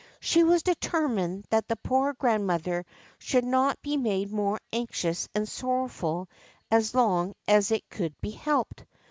She was determined that the poor grandmother should not be made more anxious and sorrowful as long as it could be helped.